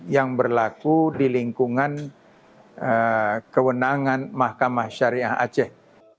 yang berlaku di lingkungan kewenangan mahkamah syariah aceh